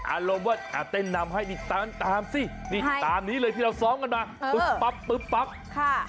อารมณ์ว่าเต้นนำให้ตามสิตามนี้เลยที่เราซ้อมกันมา